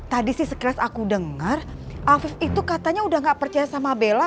tadi sih sekeras aku dengar afif itu katanya udah gak percaya sama bella